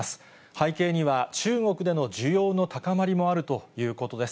背景には中国での需要の高まりもあるということです。